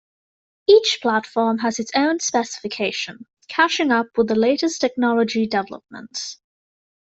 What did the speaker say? Each platform has its own specification, catching up the latest technology developments.